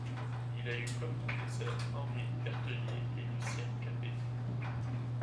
Il a eu comme professeurs Henri Berthelier et Lucien Capet.